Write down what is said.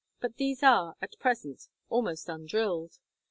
But these are, at present, almost undrilled.